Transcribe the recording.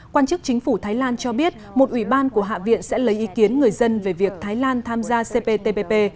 quan chức chính phủ thái lan cho biết một ủy ban của hạ viện sẽ lấy ý kiến người dân về việc thái lan tham gia cptpp